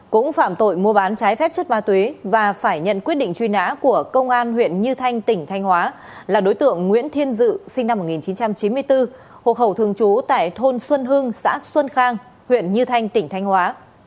cũng phạm tội mua bán trái phép chất ma túy và phải nhận quyết định truy nã của công an huyện như thanh tỉnh thanh hóa là đối tượng nguyễn thiên dự sinh năm một nghìn chín trăm chín mươi bốn hộ khẩu thường trú tại thôn xuân hưng xã xuân khang huyện như thanh tỉnh thanh hóa